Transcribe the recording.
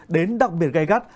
đến đặc biệt gây gắt